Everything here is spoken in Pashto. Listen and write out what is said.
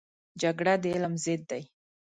جګړه د علم ضد دی